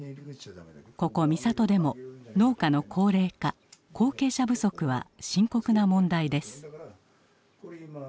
ここ三郷でも農家の高齢化後継者不足は深刻な問題です。